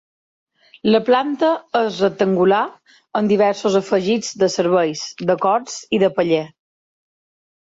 La planta és rectangular amb diversos afegits de serveis, de corts i de paller.